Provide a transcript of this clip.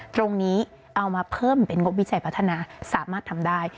ตรงนี้เอามาเพิ่มเป็นงบวิจัยพัฒนาสามารถทำได้